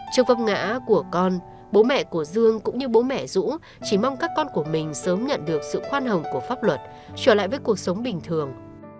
trong văng ngã của con bố mẹ của dương cũng như bố mẹ rũ chỉ mong các con của mình sớm nhận được sự khoan hồng của pháp luật trở lại với cuộc sống bình thường